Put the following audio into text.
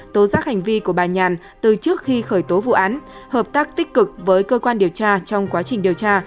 tố giác hành vi của bà nhàn từ trước khi khởi tố vụ án hợp tác tích cực với cơ quan điều tra trong quá trình điều tra